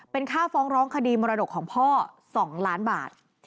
เป็นค่าฟ้องร้องคดีมรดกของพ่อ๒ล้านบาท